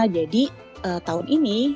jadi tahun ini